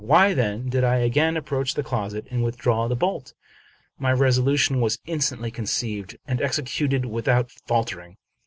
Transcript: Why then did I again approach the closet and withdraw the bolt ? My resolution was instantly conceived, and executed without faltering.